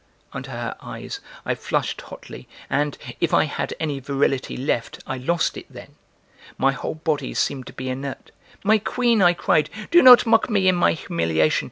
Under her eyes, I flushed hotly and, if I had any virility left, I lost it then; my whole body seemed to be inert. "My queen," I cried, "do not mock me in my humiliation.